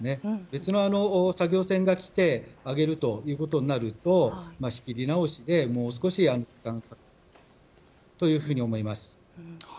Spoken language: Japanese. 別の作業船が来て上げるということになると仕切り直しで、もう少し時間がかかるかと思います。